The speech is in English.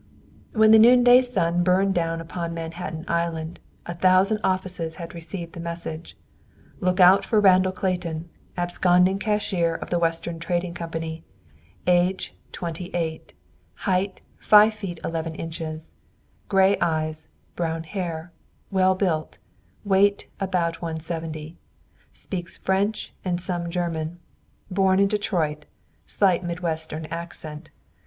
When the noonday sun burned down upon Manhattan Island, a thousand offices had received the message: "Look out for Randall Clayton, absconding cashier of the Western Trading Company. Age 28, height 5 feet 11 inches; gray eyes, brown hair, well built, weight about 170; speaks French and some German; born Detroit; slight Western accent.